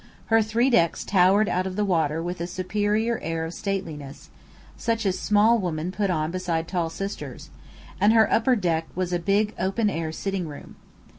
Her three decks towered out of the water with a superior air of stateliness, such as small women put on beside tall sisters; and her upper deck was a big open air sitting room.